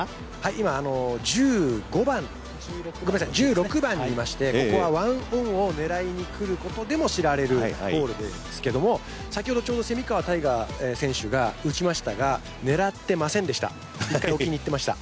今、１６番にいまして、１オンを狙いにくることでも知られているホールなんですが先ほど、蝉川泰果選手が打ちましたが狙っていませんでした置きにいっていました。